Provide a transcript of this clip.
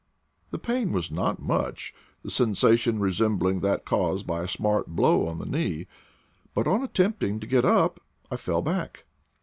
The pain was not much, the sensation resembling that caused by a smart blow on the knee ; but on attempting to get up I fell back.